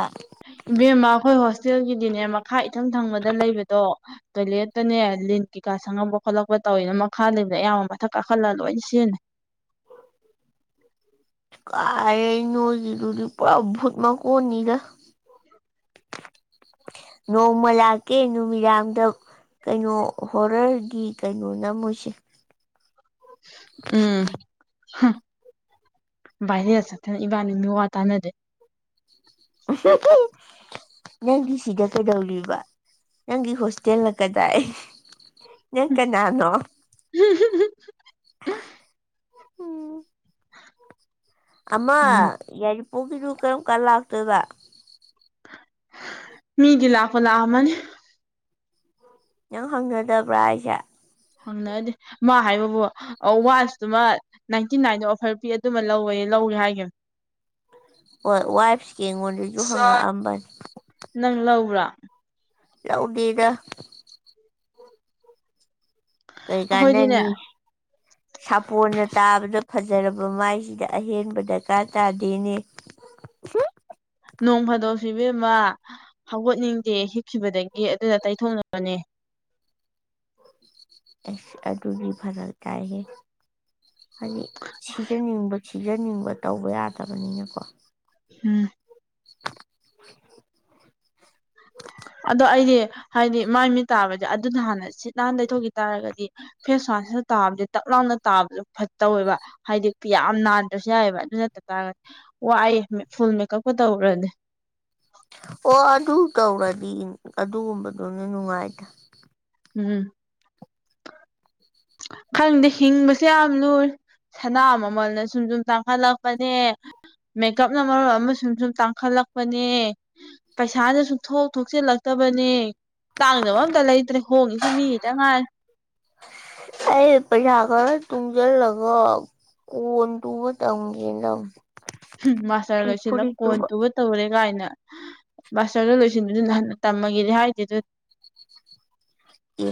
ꯑꯥ ꯏꯕꯦꯝꯃ ꯑꯩꯈꯣꯏ ꯍꯣꯁꯇꯦꯜꯒꯤꯗꯤꯅꯦ ꯃꯈꯥ ꯏꯊꯪ ꯊꯪꯕꯗ ꯂꯩꯕꯗꯣ ꯇꯣꯏꯂꯦꯠꯇꯅꯦ ꯂꯤꯟ ꯀꯩꯀꯥ ꯁꯪꯉꯛꯄ ꯈꯣꯠꯂꯛꯄ ꯇꯧꯋꯤꯅ ꯃꯈꯥ ꯂꯩꯕꯗ ꯑꯌꯥꯝꯕ ꯃꯊꯛ ꯀꯥꯈꯠꯂꯒ ꯂꯣꯏꯅ ꯁꯤꯖꯤꯟꯅꯦ ꯎ ꯀꯥꯏ ꯅꯣꯖꯤꯗꯨꯗꯤ ꯄꯨꯔꯥ ꯚꯨꯠ ꯃꯥ ꯀꯣꯅꯤꯒ ꯅꯣꯡꯃ ꯂꯥꯛꯀꯦ ꯅꯨꯃꯤꯗꯥꯝꯗ ꯀꯩꯅꯣ ꯍꯣꯔꯔꯒꯤ ꯀꯩꯅꯣ ꯅ ꯃꯨꯁꯦ ꯎꯝ ꯚꯥꯏꯔꯦ ꯆꯠꯠꯇꯅ ꯏꯕꯥꯅꯤ ꯃꯤ ꯋꯥ ꯇꯥꯟꯅꯗꯦ [inaudible] ꯅꯪꯒꯤ ꯁꯤꯗ ꯀꯩꯗꯧꯔꯤꯕ ꯅꯪꯒꯤ ꯍꯣꯁꯇꯦꯜꯅ ꯀꯗꯥꯏ ꯌꯦꯇ ꯅꯅꯣ ꯎꯝ ꯑꯃ ꯎꯝ ꯌꯥꯏꯔꯤꯄꯣꯛꯒꯤꯗꯨ ꯀꯔꯝ ꯀꯥꯟ ꯂꯥꯛꯇꯣꯏꯕ ꯃꯤ ꯂꯐꯂꯍꯃꯟ ꯅꯪ ꯍꯪꯅꯗꯕ꯭ꯔꯥ ꯑꯩꯁꯦ ꯍꯪꯅꯗꯦ ꯃꯥ ꯍꯥꯏꯕꯕꯨ ꯋꯥꯟꯁꯇꯨꯃ ꯅꯥꯏꯟꯇꯤ ꯅꯥꯏꯟꯗ ꯑꯣꯐꯔ ꯄꯤ ꯑꯗꯨꯃ ꯂꯧꯋꯦ ꯂꯧꯒꯦ ꯍꯥꯏꯒꯦ ꯍꯣꯏ ꯋꯥꯏꯐꯁꯀꯤ ꯑꯩꯉꯣꯟꯗꯁꯨ ꯍꯪꯉꯛꯑꯝꯕꯅꯦ ꯅꯪ ꯂꯧꯕ꯭ꯔꯥ ꯌꯥꯎꯗꯒ ꯀꯩꯀꯥꯟꯅ ꯑꯩꯈꯣꯏꯗꯤꯅꯦ ꯅꯅꯤ ꯁꯥꯄꯣꯟꯅ ꯇꯥꯕꯗ ꯐꯖꯔꯕ ꯃꯥꯏꯁꯤꯗ ꯑꯍꯦꯟꯕ ꯗꯔꯀꯥꯔ ꯇꯥꯗꯦꯅꯦ ꯅꯣꯡ ꯐꯥꯗꯣꯛ ꯐꯤꯕꯦꯝꯃ ꯍꯧꯒꯠꯅꯤꯡꯗꯦ ꯍꯤꯛꯈꯤꯕꯗꯒꯤ ꯑꯗꯨꯅ ꯇꯩꯊꯣꯛꯅꯕꯅꯦ ꯑꯁ ꯑꯗꯨꯒꯤ ꯐꯖꯜ ꯀꯥꯏꯍꯦ ꯍꯥꯏꯗꯤ ꯁꯤꯖꯅꯤꯡꯕ ꯁꯤꯖꯅꯤꯡꯕ ꯇꯧꯕ ꯌꯥꯗꯕꯅꯤꯅꯀꯣ ꯎꯝ [inaudible] ꯑꯗꯣ ꯑꯩꯗꯤ ꯍꯥꯏꯗꯤ ꯃꯥꯏ ꯃꯤ ꯇꯥꯕꯗꯤ ꯑꯗꯨꯅ ꯍꯥꯟꯅ ꯁꯤꯠ ꯍꯥꯟ ꯂꯩꯊꯣꯛꯈꯤ ꯇꯥꯔꯒꯗꯤ ꯐꯦꯁ ꯋꯥꯁꯁꯤ ꯇꯥꯕꯁ ꯇꯞ ꯂꯥꯎꯅ ꯇꯥꯕꯁꯨ ꯐꯠꯇꯧꯋꯦꯕ ꯍꯥꯏꯗꯤ ꯌꯥꯝ ꯅꯥꯟꯗ꯭ꯔꯁꯨ ꯌꯥꯏꯑꯦꯕ ꯑꯗꯨ ꯅꯠꯇ ꯇꯥꯔꯒꯗꯤ ꯋꯥꯏꯑꯦ ꯐꯨꯜ ꯃꯦꯀꯞꯀ ꯇꯧꯗꯤ ꯑꯣ ꯑꯗꯨ ꯇꯧꯔꯗꯤ ꯑꯗꯨꯒꯨꯝꯕꯗꯨꯅ ꯅꯨꯡꯉꯥꯏꯗ ꯎꯝ ꯈꯪꯗꯦ ꯍꯤꯡꯕꯁꯦ ꯌꯥꯝ ꯂꯨ ꯁꯅꯥ ꯃꯃꯜꯅ ꯁꯨꯝ ꯁꯨꯝ ꯇꯥꯡꯈꯠꯂꯛꯄꯅꯦ ꯃꯦꯀꯞꯅ ꯃꯔꯨꯞ ꯑꯃꯁ ꯁꯨꯝ ꯁꯨꯝ ꯇꯥꯡꯈꯠꯂꯛꯄꯅꯦ ꯄꯩꯁꯥꯗ ꯁꯨꯡꯊꯣꯛ ꯊꯣꯛꯆꯤꯜꯂꯛꯇꯕꯅꯦ ꯇꯥꯡꯗꯅꯕ ꯑꯝꯇ ꯂꯩꯇ꯭ꯔꯦ ꯍꯣꯡꯉ ꯆꯖꯤꯃꯤꯠ ꯑꯉꯥꯏ ꯍ ꯑꯩ ꯄꯩꯁꯥ ꯈꯔ ꯇꯨꯡꯁꯤꯜꯂꯒ ꯀꯣꯟ ꯇꯨꯕ ꯇꯝꯒꯦꯅ ꯃꯁꯥ ꯐꯤ ꯂꯣꯏꯁꯤꯂ ꯐꯨꯔꯤꯠ ꯀꯣꯏꯣꯟ ꯇꯨꯕ ꯇ ꯇꯧꯔꯦ ꯀꯥꯏꯅ ꯃꯥꯁꯇꯔꯗ ꯂꯣꯏꯁꯤꯟꯕꯗꯨ ꯅꯍꯥꯟ ꯇꯝꯃꯒꯗꯤ ꯍꯥꯏꯗꯤ ꯑꯗꯨ ꯌꯦ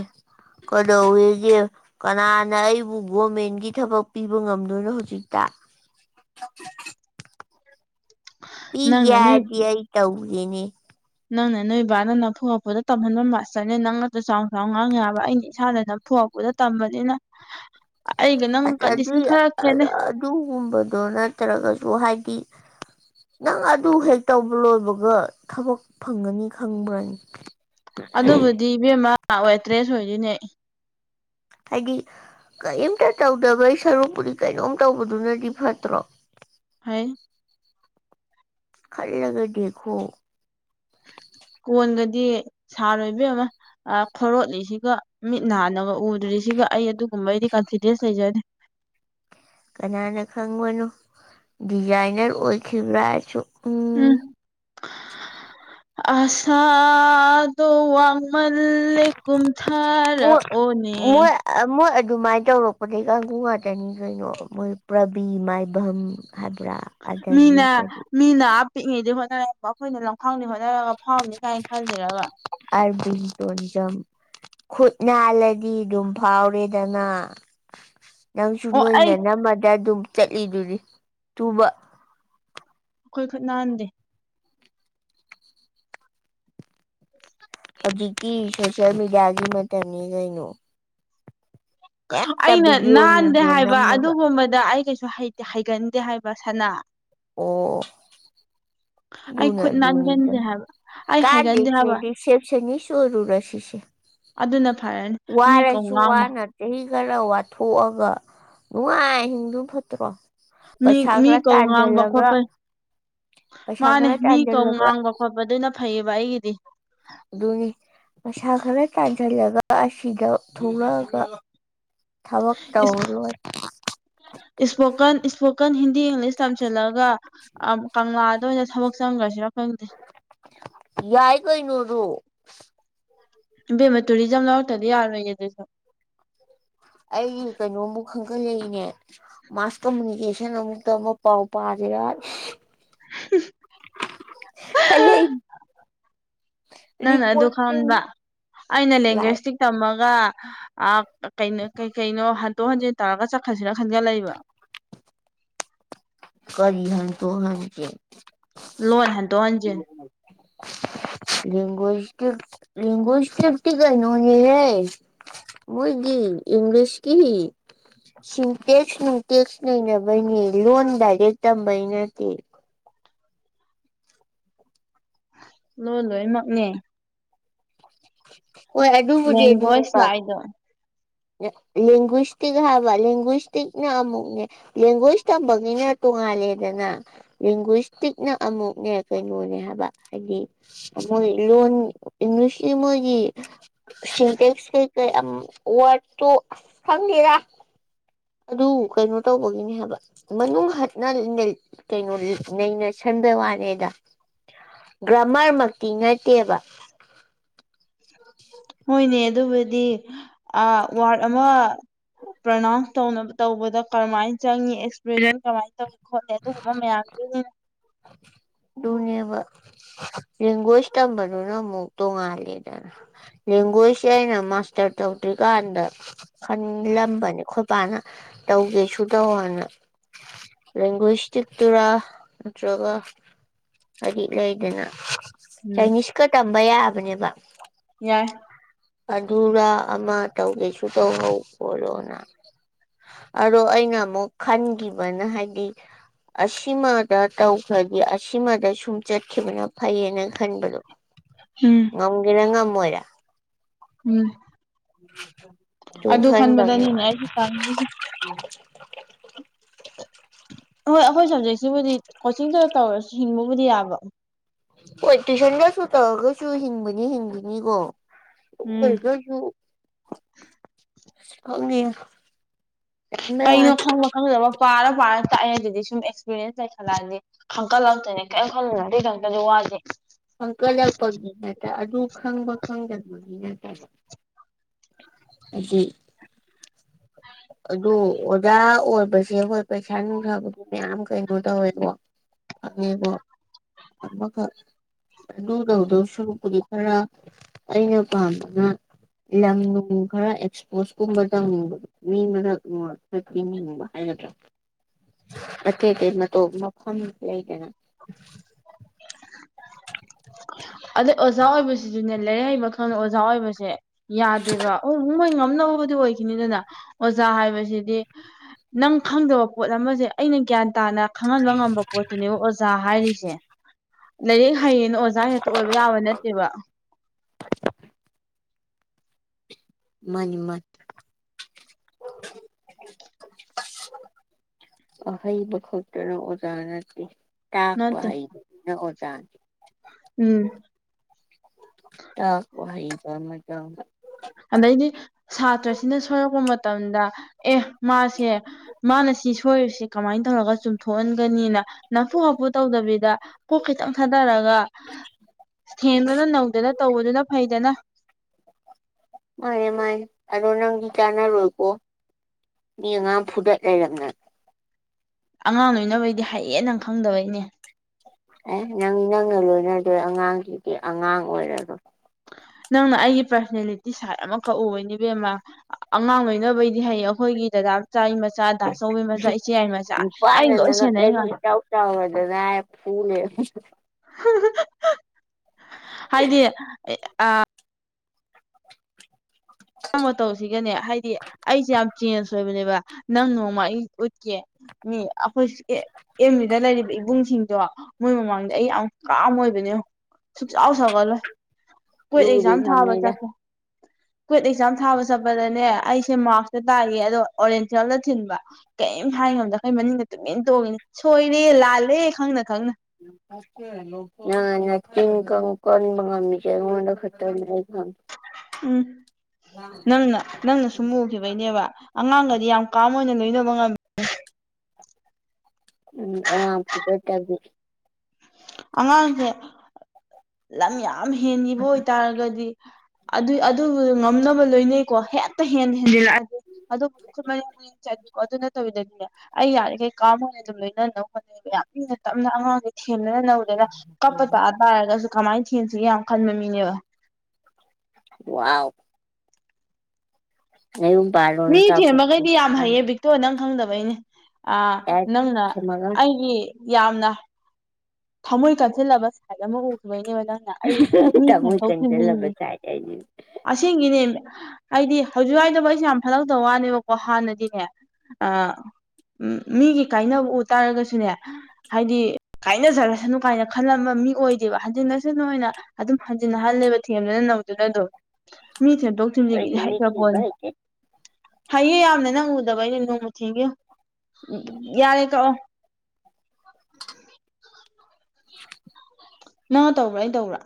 ꯀꯗꯧꯒꯤ ꯀꯅꯥꯅ ꯑꯩꯕꯨ ꯒꯣꯔꯃꯦꯟꯒꯤ ꯊꯕꯛ ꯄꯤꯕ ꯉꯝꯗꯣꯏꯅꯣ ꯍꯧꯖꯤꯛꯇ ꯄꯤꯒꯦ ꯅꯪꯅ ꯅꯣꯏ ꯍꯥꯏꯔꯗꯤ ꯑꯩ ꯇꯧꯔꯤꯅꯦ ꯅꯪꯅ ꯅꯣꯏ ꯏꯕꯥꯅ ꯅꯐꯨꯉꯛꯐꯨꯗ ꯇꯝꯍꯟꯕ ꯃꯥꯁꯇꯔꯅꯦ ꯅꯪꯒꯁꯨ ꯆꯥꯎ ꯆꯥꯎ ꯉꯥꯡꯉꯕ ꯑꯩꯅ ꯏꯁꯥꯗꯅ ꯊꯣꯛꯄꯗ ꯇꯝꯕꯅꯤꯅ [inaudible] ꯑꯩꯒ ꯅꯪ ꯑꯗꯨ ꯀꯟꯗꯤꯁꯟ ꯈꯔ ꯈꯦꯠꯅꯩ ꯑꯗꯨꯒꯨꯝꯕꯗꯣ ꯅꯠꯇ꯭ꯔꯒꯁꯨ ꯍꯥꯏꯗꯤ ꯅꯪ ꯑꯗꯨ ꯍꯦꯛ ꯇꯧꯕ ꯂꯣꯏꯕꯒ ꯊꯕꯛ ꯐꯪꯒꯅꯤ ꯈꯪꯕ꯭ꯔꯅꯤ ꯑꯗꯨꯕꯨꯗꯤ ꯏꯕꯦꯝꯃ ꯑꯦꯇ꯭ꯔꯦꯁ ꯑꯣꯏꯗꯣꯏꯅꯦ ꯍꯥꯏꯗꯤ ꯀꯔꯤꯝꯇ ꯇꯧꯗꯕꯒꯤ ꯁꯔꯨꯛꯄꯨꯗꯤ ꯀꯩꯅꯣꯝ ꯇꯧꯕꯗꯨꯅꯗꯤ ꯐꯠꯇ꯭ꯔꯣ ꯍꯥꯏ ꯈꯜꯂꯒ ꯗꯦꯈꯣ ꯀꯣꯟꯒꯗꯤ ꯁꯥꯔꯣꯏꯕ ꯑꯃ ꯈꯔꯣꯠꯂꯤꯁꯤꯒ ꯃꯤꯠ ꯅꯥꯟꯅꯒ ꯎꯗ꯭ꯔꯤꯁꯤꯒ ꯑꯩ ꯑꯗꯨꯒꯨꯝꯕꯒꯤꯗꯤ ꯀꯟꯐꯤꯗꯦꯟꯁ ꯂꯩꯖꯗꯦ ꯀꯅꯥꯅ ꯈꯪꯕꯅꯣ ꯗꯤꯖꯥꯏꯅꯔ ꯑꯣꯏꯈꯤꯕ꯭ꯔꯥꯁꯨ ꯎꯝ ꯎꯝ ꯑꯁꯥꯗꯨ ꯋꯥꯃꯜ ꯃꯣꯏ ꯀꯨꯝꯊꯥꯔꯛꯑꯣꯅꯦ ꯃꯣꯏ ꯃꯣꯏ ꯑꯗꯨꯃꯥꯏꯅ ꯇꯧꯔꯛꯄꯗꯒꯤꯩ ꯀꯥꯡꯕꯨꯨ ꯉꯥꯛꯇꯅꯤ ꯀꯩꯅꯣ ꯃꯣꯏ ꯄ꯭ꯔꯕꯤ ꯃꯥꯏꯕꯝ ꯍꯥꯏꯕ꯭ꯔꯥ ꯑꯗꯒꯤ ꯃꯤꯅ ꯀꯗꯤ ꯃꯤꯅ ꯑꯞ ꯄꯤꯛꯉꯩꯗꯩ ꯍꯣꯠꯅꯔꯛꯦ ꯑꯩꯈꯣꯏꯅ ꯂꯝꯈꯥꯎꯅꯤ ꯍꯣꯠꯅꯔꯒ ꯐꯥꯎꯕꯅꯤ ꯀꯥꯏꯅ ꯈꯜꯜꯂꯤꯔꯒ ꯑ ꯇꯗꯝ ꯈꯨꯠ ꯅꯥꯜꯂꯗꯤ ꯑꯗꯨꯝ ꯐꯥꯎꯔꯦꯗꯅ ꯅꯪꯁꯨ ꯑꯣ ꯑꯩ ꯅꯣꯏꯅ ꯑꯩꯈꯣꯏ ꯅꯝꯃꯗ ꯑꯗꯨꯝ ꯆꯠꯂꯤꯗꯨꯅꯤ ꯇꯨꯕ ꯑꯩꯈꯣꯏ ꯈꯨꯠ ꯅꯥꯍꯟꯗꯦ [inaudible] ꯍꯧꯖꯤꯛꯀꯤ ꯁꯣꯁꯤꯌꯦꯜ ꯃꯦꯗꯤꯌꯥꯒꯤ ꯃꯇꯝꯅꯤ ꯀꯩꯅꯣ ꯍꯦꯛꯇ ꯑꯩꯅ ꯚꯤꯗꯤꯑꯣ ꯅꯥꯟꯗꯦ ꯅꯨꯡꯗꯤꯑꯣ ꯍꯥꯏꯕ ꯅꯝꯃꯒ ꯑꯗꯨꯒꯨꯝꯕꯗ ꯑꯩ ꯀꯩꯁꯨ ꯍꯩꯒꯟꯗꯦ ꯍꯥꯏꯕ ꯁꯅꯥ ꯑꯣ ꯑꯩ ꯂꯨꯅ ꯈꯨꯠ ꯙꯨꯅꯤꯗ ꯅꯥꯟꯒꯟꯗꯦ ꯍꯥꯏꯕ ꯑꯩ ꯍꯩꯒꯟꯗꯦ ꯀꯥꯗꯦꯁꯦ ꯍꯥꯏꯕ ꯔꯔꯤꯁꯦꯞꯁꯟ ꯏꯁꯨꯔꯔꯁꯤꯁꯦ ꯑꯗꯨꯅ ꯐꯔꯅꯤ ꯃꯤ ꯀꯧꯥ ꯋꯥꯅ ꯆꯍꯤ ꯈꯔ ꯋꯥꯊꯣꯛꯑꯒ ꯅꯨꯡꯉꯥꯏꯤꯡꯗꯨ ꯐꯠꯇ꯭ꯔꯣ ꯃꯤ ꯃꯤ ꯄꯁꯒꯅꯥ ꯀꯧ ꯉꯥꯡꯕ ꯇꯥꯟꯖꯜꯂꯒ ꯈꯣꯠꯄ ꯄꯩꯁꯥ ꯃꯥꯅꯦ ꯈꯔ ꯃꯤ ꯀꯧ ꯇꯥꯟꯖꯜꯂꯒ ꯉꯥꯡꯕ ꯈꯣꯠꯄ ꯑꯗꯨꯅ ꯐꯩꯌꯦꯕ ꯑꯩꯒꯤꯗꯤ ꯑꯗꯨꯅꯤ ꯃꯩꯁꯥ ꯈꯔ ꯇꯥꯟꯁꯤꯜꯂꯒ ꯑꯁꯤꯗ ꯊꯣꯛꯂꯛꯑꯒ ꯊꯕꯛ ꯇꯧꯔ ꯂꯣꯏꯔꯦ ꯏꯁꯄꯣꯀꯟ ꯏꯁꯄꯣꯀꯟ ꯍꯤꯟꯗꯤ ꯏꯪꯂꯤꯁ ꯇꯝꯁꯤꯜꯂꯛꯒ ꯀꯪꯂꯥꯗ ꯑꯣꯏꯅ ꯊꯕꯛ ꯆꯪꯈ꯭ꯔꯁꯤꯔ ꯈꯪꯗꯦ ꯌꯥꯏ ꯀꯣꯏꯅꯔ ꯏꯕꯦꯝꯃ ꯇꯨꯔꯤꯖꯝ ꯂꯧꯔꯛꯇꯗꯤ ꯌꯥꯔꯣꯏꯌꯦꯦ ꯑꯗꯨꯁꯨ ꯑꯩ ꯀꯩꯅꯣꯃꯨꯛ ꯈꯟꯒꯠꯂꯛꯏꯅꯦ ꯃꯥꯁ ꯀꯃꯨꯅꯤꯀꯦꯁꯟ ꯑꯃꯨꯛꯇ ꯑꯃ ꯄꯥꯎ ꯄꯥꯔꯔꯥ ꯈꯜꯂꯤ ꯅꯪꯅ ꯑꯗꯨ ꯈꯪꯕ ꯑꯩꯅ ꯂꯥꯏꯛ ꯂꯦꯡꯒ꯭ꯋꯦꯁꯇꯤꯛ ꯇꯝꯃꯒ ꯀꯩꯅ ꯀꯩ ꯀꯩꯅꯣ ꯍꯟꯗꯣꯛ ꯍꯟꯖꯤꯟ ꯇꯧꯔꯒ ꯆꯠꯈꯠꯁꯤꯅ ꯈꯟꯒꯠꯂꯕ ꯀꯔꯤ ꯍꯥꯏꯟ ꯇꯣ ꯍꯟ ꯀꯦ ꯂꯣꯟ ꯍꯟꯗꯣꯛ ꯍꯟꯖꯤꯟ [inaudible] ꯂꯒꯣꯁꯀꯤ ꯂꯒꯨꯁꯀꯤꯤꯐꯇꯤ ꯀꯅꯤ ꯍꯥꯏ ꯃꯣꯏ ꯒꯤ ꯏꯪꯂꯤꯁꯀꯤ ꯁꯤ ꯇꯦꯛꯁ ꯅꯨꯡ ꯇꯦꯛꯁ ꯂꯩꯅꯕꯩꯅꯦ ꯂꯣꯟ ꯗꯥꯏꯔꯦꯛ ꯇꯝꯕꯩ ꯅꯠꯇꯦ ꯂꯣꯏ ꯂꯣꯏꯅꯃꯛꯅꯦ ꯑꯣ ꯑꯦꯗꯕꯨꯗꯤ ꯂꯦꯡꯒ꯭ꯋꯦꯖ ꯑꯗꯨꯅꯦꯁ ꯂꯥꯛꯏꯗꯣ ꯂꯒ꯭ꯨꯏꯁꯇꯤꯛ ꯍꯥꯏꯕ ꯂꯦꯡꯒ꯭ꯋꯁꯇꯤꯛꯅ ꯑꯃꯨꯛꯅꯦ ꯂꯦꯡꯒ꯭ꯋꯣꯏꯁ ꯇꯝꯕꯅꯤꯅ ꯇꯣꯡꯉꯥꯜꯂꯦꯗꯅ ꯂꯦꯡꯒꯁꯇꯤꯛꯅ ꯑꯃꯨꯛꯅꯦ ꯀꯩꯅꯣꯅꯦ ꯍꯥꯏꯕ ꯍꯥꯏꯗꯤ ꯃꯣꯏ ꯏ ꯂ ꯏꯁꯤ ꯃꯒꯤ ꯁꯤꯟꯇꯦꯛꯁ ꯀꯩꯀꯩ ꯋꯥꯔꯗꯇꯣ ꯑ ꯈꯪꯗꯦꯔꯥ꯫ ꯑꯗꯨ ꯀꯩꯅꯣ ꯇꯧꯕꯒꯤꯅꯦ ꯍꯥꯏꯕ ꯃꯅꯨꯡ ꯍꯠꯅ꯫ ꯀꯩꯅꯣ ꯅꯩꯅ ꯁꯟꯕ ꯋꯥꯅꯦꯗ꯫ ꯒ꯭ꯔꯥꯃꯔꯃꯛꯇꯤ ꯅꯠꯇꯦꯕ꯫ ꯍꯣꯏꯅꯦ ꯑꯗꯨꯕꯨꯗꯤ ꯋꯥꯔꯗ ꯑꯃ꯫ ꯄ꯭ꯔꯅꯥꯎꯟꯁ ꯇꯧꯅꯕ ꯇꯧꯕꯗ ꯀꯔꯃꯥꯏꯅ ꯆꯪꯏꯤ ꯑꯦꯛꯁꯄ꯭ꯔꯦꯁꯟ ꯀꯃꯥꯏꯅ ꯇꯧ꯫ ꯈꯣꯠꯂꯦ ꯑꯗꯨꯒꯨꯝꯕ ꯃꯌꯥꯝꯗꯨ꯫ ꯅꯦꯕ꯫ ꯂꯒꯣꯁꯇ ꯃꯗꯨ ꯅ ꯃꯨꯛꯛꯇ ꯉꯜꯂꯤꯗꯅ꯫ ꯂ ꯂꯤꯒ꯭ꯋꯦꯁ ꯌꯥꯅ ꯃꯥꯁꯇꯔ ꯇꯧꯇꯤ ꯀ ꯑꯟꯗꯔ꯫ ꯈꯟꯂꯝꯕꯅꯤ ꯑꯩꯈꯣꯏꯕꯥꯅ ꯇꯧꯒꯦ ꯁ ꯇꯧꯅ꯫ ꯔꯒꯣꯁꯤ ꯇꯨꯔ꯫ ꯅꯠꯇ꯭ꯔꯒ ꯍꯥꯏꯔꯤꯛ ꯂꯩꯗꯅ ꯎꯝ ꯆꯥꯏꯅꯤꯁꯀ ꯇꯝꯕ ꯌꯥꯕꯅꯦꯕ꯫ ꯌꯥꯏ꯫ ꯑꯗꯨꯔꯥ ꯑꯃ ꯇꯧꯒꯦꯁꯨ ꯇꯧꯅꯧ ꯈꯣꯂꯣꯅ꯫ ꯑꯗꯣ ꯑꯩꯅ ꯑꯃꯨꯛ ꯈꯟꯈꯤꯕꯅ ꯍꯥꯏꯗꯤ꯫ ꯑꯁꯤꯃꯗ ꯇꯧꯈ꯭ꯔꯗꯤꯦ ꯑꯁꯤꯃꯗ ꯁꯨꯝ꯫ ꯆꯠꯈꯤꯕꯅ ꯐꯩꯌꯦꯅ ꯈꯟꯕꯗꯣ ꯎꯝ ꯉꯝꯒꯦꯔꯥ ꯉꯝꯃꯣꯏꯔ꯫ ꯎꯝ꯫ ꯎꯝ꯫ ꯑꯗꯨ ꯈꯟꯕꯗꯅꯤꯅꯦ ꯑꯩꯁꯨ ꯇꯥꯉꯁꯦ꯫ ꯍꯣꯏ ꯑꯩꯈꯣꯏ ꯁꯕꯖꯦꯛꯁꯤꯕꯨꯗꯤ ꯀꯣꯆꯤꯡꯗꯨ ꯇꯧꯔꯁꯨ ꯍꯤꯡꯕꯕꯨꯗꯤ ꯌꯥꯕ꯫ ꯄꯣꯂꯤꯇꯤꯁꯟꯒꯁꯨ ꯇꯧꯒꯁꯨ ꯍꯤꯡꯕꯅꯤ ꯍꯤꯡꯕꯅꯤꯀꯣ ꯎꯝ ꯑꯣꯏ꯫ ꯈꯪꯗꯦ꯫ ꯀꯩꯅꯣ ꯈꯪꯕ ꯈꯪꯗꯕ ꯄꯥꯔ ꯄꯥꯔ ꯇ ꯑꯩ ꯑꯗꯨꯗꯤ ꯁꯨꯝ ꯑꯦꯛꯁꯄꯤꯔꯤꯌꯦꯦꯟꯁ ꯂꯩꯈꯠꯂꯛꯑꯗꯤ꯫ ꯍꯪꯀꯠꯂꯥꯛꯛꯇꯣꯏꯅꯦ ꯀꯔꯤꯝ ꯈꯜꯂꯅꯣ ꯑꯗꯨꯗꯤ ꯈꯛꯇꯁꯨ ꯋꯥꯁꯦ꯫ ꯑꯪꯀ ꯌꯥꯛꯄꯒꯤꯅꯦꯇꯥ ꯑꯗꯨ ꯈꯪꯕ ꯈꯪꯗꯕꯒꯤ ꯅꯠꯇꯕ꯫ ꯑꯗꯨꯗꯤ꯫ ꯑꯗꯨ ꯑꯣꯖꯥ ꯑꯣꯏꯕꯁꯦ ꯍꯣꯏ ꯄꯩꯁꯥ ꯅꯨꯡꯁꯥꯕꯒꯤ ꯃꯌꯥꯝ ꯀꯩꯅꯣ ꯇꯧꯋꯦꯕꯣ꯫ ꯑꯕꯃ꯫ ꯑꯗꯨ ꯇꯧꯗꯧ ꯁꯨꯛꯄꯨꯗꯤ ꯈꯔ ꯑꯩꯅ ꯄꯥꯝꯝꯕꯅ꯫ ꯌꯥꯝꯅꯨꯡ ꯈꯔ ꯑꯦꯛꯁꯄꯣꯁ ꯀꯨꯝꯕ ꯇꯝꯅꯤꯡꯕꯗꯣ꯫ ꯃꯤ ꯃ ꯍꯥꯏꯗ꯭ꯔ꯫ ꯑꯇꯩꯇꯩ ꯅ ꯃꯐꯝ ꯂꯩꯏꯗꯅ꯫ ꯑꯗꯩ ꯑꯣꯖꯥ ꯑꯣꯏꯕꯁꯤꯁꯨꯅꯦ ꯂꯥꯏꯔꯤꯛ ꯍꯩꯕꯜꯗ ꯑꯣꯖꯥ ꯑꯣꯏꯕꯁꯦ ꯌꯥꯗꯦꯕ꯫ ꯑꯣ ꯃꯣꯏ ꯉꯝꯅꯕꯕꯨꯗꯤ ꯑꯣꯏꯈꯤꯅꯤꯗꯅ ꯑꯣꯖꯥ ꯍꯥꯏꯕꯁꯤꯗꯤ꯫ ꯅꯪ ꯈꯪꯗꯕ ꯄꯣꯠ ꯑꯃꯁꯦ ꯑꯩꯅ ꯒ꯭ꯌꯥꯟ꯫ ꯇꯥꯅ ꯈꯪꯍꯟꯕ ꯉꯝꯕ ꯄꯣꯠꯇꯨꯅꯦꯕ ꯑꯣꯖꯥ ꯍꯥꯏꯔꯤꯁꯦ ꯂꯥꯏꯔꯤꯛ ꯍꯩꯌꯦꯅ꯫ ꯍꯦꯛꯇ ꯑꯣꯏꯕ ꯌꯥꯕ ꯅꯠꯇꯦꯕ꯫ ꯃꯅꯤꯃꯠ꯫ ꯑꯍꯩꯕ ꯈꯛꯇꯅ ꯑꯣꯖꯥ ꯅꯠꯇꯦ꯫ ꯇꯥꯛꯄ ꯅꯠꯇꯦ ꯑꯩ ꯆꯦ꯫ ꯎꯝ꯫ ꯇꯥꯛ ꯋꯥ ꯍ ꯆ ꯀ꯫ ꯑꯗꯩꯗꯤ ꯁꯥꯇ꯭ꯔꯁꯤꯅ ꯁꯣꯏꯔꯛꯄ ꯃꯇꯝꯗ ꯑꯦ ꯃꯥꯁꯦ꯫ ꯃꯥꯅ ꯁꯤ ꯁꯣꯏꯔꯤꯕꯁꯤ ꯀꯃꯥꯏꯅ ꯇꯧꯔꯒ ꯆꯨꯝꯊꯣꯛꯍꯟꯒꯅꯤꯅ ꯅꯥꯐꯨ ꯍꯥꯐꯨ ꯇꯧꯗꯕꯤꯗ꯫ ꯄꯣꯛ ꯈꯤꯇꯪ ꯊꯥꯗꯔꯒ ꯊꯦꯡꯗꯨꯅ ꯅꯧꯗꯅ ꯇꯧꯕꯗꯨꯅ ꯐꯩꯗꯅ꯫ ꯃꯥꯅꯦ ꯃꯥꯅꯦ ꯑꯗꯣ ꯅꯪꯗꯤ ꯆꯥꯟꯅꯔꯣꯏꯀꯣ ꯃꯤ ꯑꯉꯥꯡ ꯐꯨꯗꯠ ꯂꯩꯔꯝꯅ꯫ ꯑꯉꯥꯡ ꯂꯣꯏꯅꯕꯩꯗꯤ ꯍꯌꯦꯦꯟꯅꯪ ꯈꯪꯗꯕꯩꯅꯦ꯫ ꯑꯦ ꯅꯪ ꯅꯪꯅ ꯂꯣꯏꯅꯗꯣꯏ ꯑꯉꯥꯡꯁꯤꯗꯤ ꯑꯉꯥꯡ ꯑꯣꯏꯔꯔꯕꯣ꯫ ꯅꯪꯅ ꯑꯩꯒꯤ ꯄꯥꯔꯁꯟꯅꯦꯂꯤꯇꯤ ꯁꯥꯏꯠ ꯑꯃꯈꯛ ꯎꯕꯩꯅꯦ ꯏꯕꯦꯝꯃꯥ ꯑꯉꯥꯡ ꯂꯣꯏꯅꯕꯩꯗꯤ ꯍꯩ ꯑꯩꯈꯣꯏꯒꯤ ꯗꯗꯥ ꯃꯆꯥ ꯗꯥꯆꯧꯒꯤ ꯃꯆꯥ ꯏꯆꯦ ꯌꯥꯏ ꯃꯆꯥ ꯅꯨꯄꯥꯅ ꯑꯩꯩꯅ ꯂꯣꯏ ꯅꯉꯛ ꯁꯦꯟꯅꯩ ꯂꯩꯔꯨ ꯉ [unintelligible] ꯍꯥꯏꯗꯤ ꯑ ꯃꯑꯣꯡ ꯃꯇꯧꯁꯤꯒꯅꯦ ꯍꯥꯏꯗꯤ ꯑꯩꯁꯦ ꯌꯥꯝ ꯆꯦꯟꯖ ꯑꯣꯏꯕꯅꯦꯕ ꯅꯪ ꯅꯣꯡꯃ ꯑꯩ ꯎꯠꯀꯦ ꯃꯤ ꯑꯩꯈꯣꯏ ꯑꯦꯝ [unintelligible] ꯂꯩꯔꯤꯕ ꯏꯕꯨꯡꯁꯤꯡꯗꯣ ꯃꯣꯏ ꯃꯃꯥꯡꯗ ꯑꯩ ꯌꯥꯝ ꯀꯥꯝ ꯑꯣꯏꯕꯅꯦ ꯌꯦꯉꯣ ꯁꯨꯡꯁꯥꯎ ꯁꯥꯎꯒꯠꯂꯣꯏ ꯀꯨꯋꯏꯠ ꯑꯗꯨꯕꯨꯗꯤ ꯑꯦꯛꯖꯥꯝ ꯊꯥꯕ ꯈꯪꯉꯤꯗ ꯆꯠꯂꯦ ꯀꯨꯋꯏꯠ ꯑꯦꯛꯖꯥꯝ ꯊꯥꯕ ꯆꯠꯄꯗꯅꯦ ꯑꯩꯁꯦ ꯃꯥꯔꯛꯇ ꯇꯥꯏꯌꯦ ꯑꯗꯣ ꯑꯣꯔꯦꯟꯇꯦꯜꯗ ꯊꯤꯟꯕ ꯀꯔꯤꯝ ꯍꯥꯏꯉꯝꯗꯈꯩ ꯃꯅꯤꯡꯗ ꯇꯨꯃꯤꯟ ꯇꯣꯡꯉꯤꯅꯤ ꯁꯣꯏꯔꯦ ꯂꯥꯜꯂꯦ ꯈꯪꯅ ꯈꯪꯅ [unintelligible] ꯅꯪꯅ ꯅꯆꯤꯟ ꯀꯟꯕ ꯉꯝꯃꯤꯁꯦ ꯑꯩꯉꯣꯟꯗ ꯈꯛꯇꯅꯤ ꯑꯩ ꯈꯪꯏ ꯎꯝ ꯅꯪꯅ ꯅꯪꯅ ꯁꯨꯝꯃꯨ ꯊꯈꯤꯕꯩꯅꯦꯕ ꯑꯉꯥꯡꯒꯗꯤ ꯌꯥꯝ ꯀꯥꯝ ꯑꯣꯏꯅ ꯂꯣꯏꯅꯕ ꯉꯝꯃꯦ ꯎꯝ ꯑꯉꯥꯡ ꯐꯨꯕ [unintelligible] ꯑꯉꯥꯡꯁꯦ ꯂꯝ ꯌꯥꯝ ꯌꯥꯝ ꯍꯦꯟꯈꯤꯕ ꯑꯣꯏꯇꯥꯔꯒꯗꯤ ꯑꯗꯨ ꯑꯗꯨ ꯉꯝꯅꯕ ꯂꯣꯏꯅꯩꯀꯣ ꯍꯦꯟꯇ ꯍꯦꯟꯅ ꯍꯦꯟꯖꯤꯜꯂꯛꯑꯗꯤ ꯑꯗꯨꯕꯨ ꯀꯃꯥꯏꯅꯥ ꯆꯠꯀꯣ ꯑꯗꯨ ꯅꯠꯇꯕꯤꯗꯗꯤꯅꯦ ꯑꯩ ꯌꯥꯔꯤꯈꯩ ꯀꯥꯝ ꯑꯣꯢꯅ ꯑꯗꯨꯝ ꯂꯣꯏꯅꯅꯧ ꯌꯥꯝ ꯏꯅ ꯇꯞꯅ ꯑꯉꯥꯡꯁꯦ ꯊꯦꯝꯗꯅ ꯅꯧꯗꯅ ꯀꯞꯄ ꯇꯥ ꯇꯥꯔꯒꯁꯨ ꯀꯃꯥꯏꯅ ꯊꯦꯝꯁꯤꯒꯦ ꯌꯥꯝ ꯈꯟꯕ ꯃꯤꯅꯦꯕ ꯋꯥꯎ ꯅꯌꯨꯝ ꯄꯥꯟ ꯃꯤ ꯊꯦꯡꯕꯒꯩꯗꯤ ꯌꯥꯝ ꯍꯩꯌꯦ ꯕꯤꯠ ꯇꯣ ꯅꯪ ꯈꯪꯗꯕꯩꯅꯦ ꯑꯥ ꯅꯪꯅ ꯑꯩꯒꯤ ꯌꯥꯝꯅ ꯊꯝꯃꯣꯏ ꯀꯥꯁꯤꯜꯂꯕ ꯁꯥꯏꯠ ꯑꯃ ꯎꯈꯤꯕꯩꯅꯦꯕ ꯅꯪ ꯅ ꯑꯩ ꯃꯤ ꯇꯃꯣꯏ ꯊꯦꯝꯗꯣꯛ ꯀꯟꯖꯜꯂꯕ ꯊꯝꯖꯤꯟꯒꯤ ꯁꯥꯏꯗ ꯑꯩꯗꯤ ꯑꯁꯤꯒꯤꯅꯦ ꯑꯩꯗꯤ ꯍꯧꯖꯤꯛ ꯋꯥꯏꯗꯕꯨ ꯑꯩꯁꯦ ꯌꯥꯝ ꯐꯠꯂꯛꯇꯕ ꯋꯥꯅꯦꯕꯀꯣ ꯍꯥꯟꯅꯗꯤꯅꯦ ꯑ ꯎꯝ ꯃꯤꯒꯤ ꯀꯥꯏꯅꯕ ꯎ ꯇꯥꯔꯒꯁꯨꯅꯦ ꯍꯥꯏꯗꯤ ꯀꯥꯏꯅꯖꯔꯁꯅꯨ ꯀꯥꯏꯅ ꯈꯜꯂꯝꯕ ꯃꯤ ꯑꯣꯏꯗꯦꯕ ꯍꯟꯖꯤꯟꯁꯅꯨ ꯍꯥꯏꯅ ꯑꯗꯨꯝ ꯍꯟꯖꯤꯟꯅ ꯍꯜꯂꯦꯕ ꯊꯦꯝꯗꯅ ꯅꯧꯗꯨꯅ ꯑꯗꯨꯝ ꯃꯤ ꯊꯦꯝꯗꯣꯛ ꯑꯩꯗꯤ ꯊꯤꯟꯖꯤꯟꯒꯤꯗꯤ ꯃꯤ ꯍꯩꯈ꯭ꯔ ꯊꯦꯝꯕ ꯄꯣꯠꯅꯤ ꯍꯩꯇꯦ ꯍꯩꯌꯦ ꯌꯥꯝꯅ ꯅꯪ ꯎꯗꯕꯩꯅꯦ ꯅꯣꯡꯃ ꯊꯦꯝꯒꯦ ꯌꯦꯡꯑꯣ ꯌꯥꯔꯦ ꯇꯣꯛꯑꯣ [unintelligible] ꯅꯪꯅ ꯇꯧꯕ꯭ꯔꯥ ꯑꯩꯅ ꯇꯧꯕ꯭ꯔꯥ